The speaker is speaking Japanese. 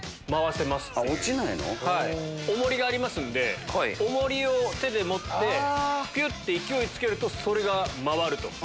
重りがありますんで重りを手で持ってぴゅって勢いつけるとそれが回る。